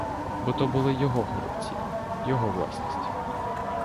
Бо то були його горобці, його власність.